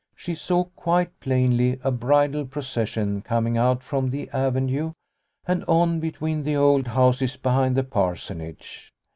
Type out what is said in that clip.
She saw quite plainly a bridal procession coming out from the avenue, and on between the old houses behind the Parsonage.